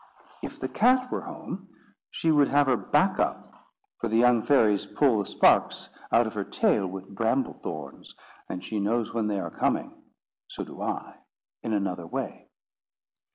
If the cat were at home, she would have her back up; for the young fairies pull the sparks out of her tail with bramble thorns, and she knows when they are coming. So do I, in another way."